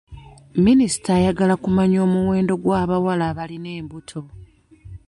Minisita ayagala kumanya omuwendo gw'abawala abalina embuto.